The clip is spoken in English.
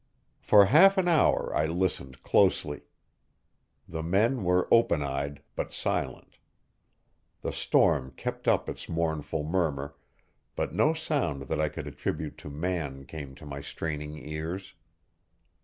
For half an hour I listened closely. The men were open eyed but silent. The storm kept up its mournful murmur, but no sound that I could attribute to man came to my straining ears.